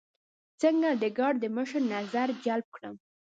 څنګه د ګارد د مشر نظر جلب کړم.